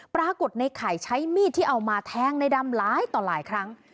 ปรากฏในไข่ใช้มีดที่เอามาแทงในดำหลายต่อหลายครั้ง